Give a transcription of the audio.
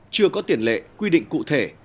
chưa có tiền lệ quy định cụ thể